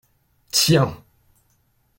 Tiens.